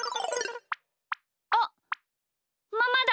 あっママだ！